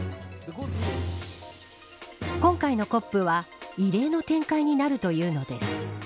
今回のＣＯＰは異例の展開になるというのです。